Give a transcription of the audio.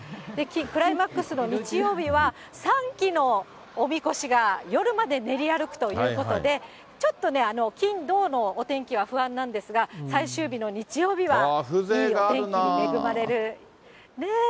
クライマックスの日曜日は、３基のおみこしが夜まで練り歩くということで、ちょっとね、金、土のお天気は不安なんですが、最終日の日曜日はいいお天気に恵まれる。